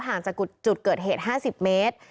ห่างจากจุดเกิดเหตุ๕๐เมตร